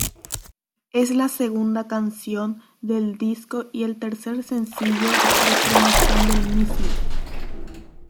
Es la segunda canción del disco y el tercer sencillo de promoción del mismo.